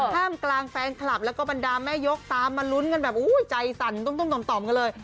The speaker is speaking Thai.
ท่ามกลางแฟนคลับแล้วก็บรรดาแม่ยกตามมาลุ้นกันแบบใจสั่นตุ้มต่อมกันเลย